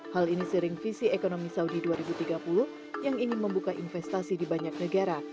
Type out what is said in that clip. hal ini sering visi ekonomi saudi dua ribu tiga puluh yang ingin membuka investasi di banyak negara